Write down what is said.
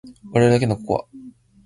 割るだけココア